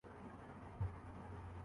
ایک فلم کی ناکامی